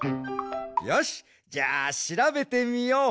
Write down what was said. よしじゃあしらべてみよう！